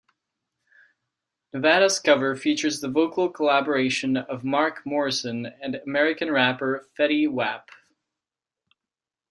Nevada's cover features the vocal collaboration of Mark Morrison and American rapper Fetty Wap.